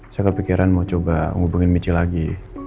saya kepikiran mau coba hubungin michi lagi